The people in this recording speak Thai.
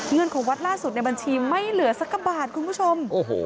เงินของวัดล่าสุดในบัญชีไม่เหลือสักบาทคุณผู้ชม